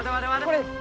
これです。